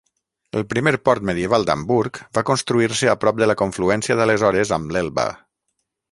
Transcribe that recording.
El primer port medieval d'Hamburg va construir-se a prop de la confluència d'aleshores amb l'Elba.